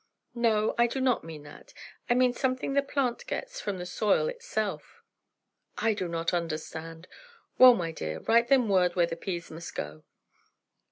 "No, I do not mean that. I mean something the plant gets from the soil itself." "I do not understand! Well, my dear, write them word where the peas must go."